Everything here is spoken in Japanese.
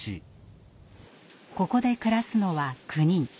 ここで暮らすのは９人。